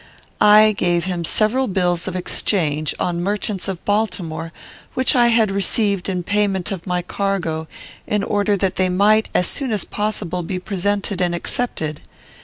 I gave him several bills of exchange on merchants of Baltimore, which I had received in payment of my cargo, in order that they might, as soon as possible, be presented and accepted.